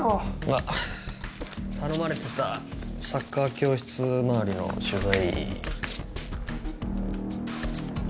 あっ頼まれてたサッカー教室周りの取材。